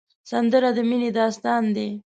سندره د مینې داستان دی